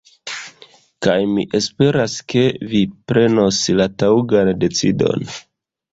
Kaj mi esperas ke vi prenos la taŭgan decidon